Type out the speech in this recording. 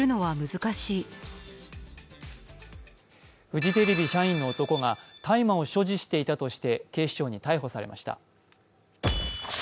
フジテレビ社員の男が大麻を所持していたとして警視庁に逮捕されました。